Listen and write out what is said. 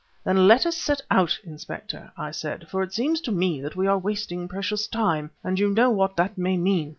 "Then let us set out, Inspector," I said, "for it seems to me that we are wasting precious time and you know what that may mean."